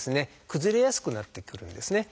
崩れやすくなってくるんですね。